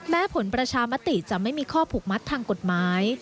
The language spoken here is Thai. ผลประชามติจะไม่มีข้อผูกมัดทางกฎหมาย